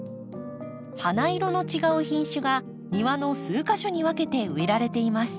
花色の違う品種が庭の数か所に分けて植えられています。